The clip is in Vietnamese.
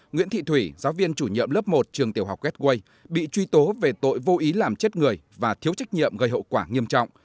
nguyễn thị thủy giáo viên chủ nhiệm lớp một trường tiểu học gateway bị truy tố về tội vô ý làm chết người và thiếu trách nhiệm gây hậu quả nghiêm trọng